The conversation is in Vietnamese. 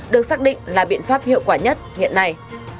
được xác định là biện pháp hiệu quả nhất hiện nay